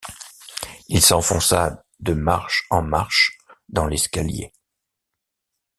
Il s’enfonça de marche en marche dans l’escalier.